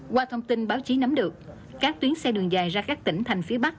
qua thông tin báo chí nắm được các tuyến xe đường dài ra các tỉnh thành phía bắc